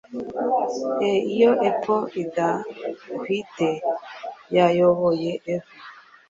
Ee iyo Apple idahwite yayoboye Eva